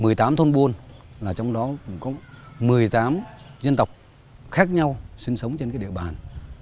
mười tám thôn buôn là trong đó cũng có mười tám dân tộc khác nhau sinh sống trên cái địa bàn